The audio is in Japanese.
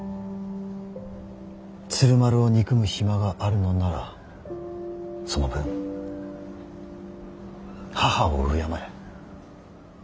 鶴丸を憎む暇があるのならその分母を敬え。